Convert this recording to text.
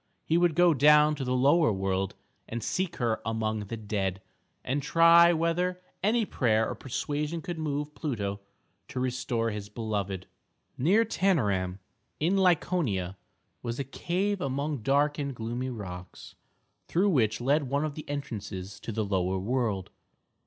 He would go down to the Lower World and seek her among the dead, and try whether any prayer or persuasion could move Pluto to restore his beloved. Near Tænarum, in Laconia, was a cave among dark and gloomy rocks, through which led one of the entrances to the Lower World.